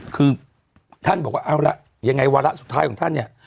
คือท่านบอกว่าเอาละยังไงวาระสุดท้ายของท่านเนี่ย